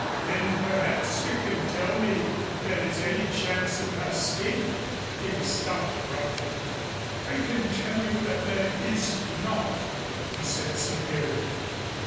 Then perhaps you can tell me if there is any chance of my escape." He was stopped abruptly. "I can tell you that there is not," he said severely.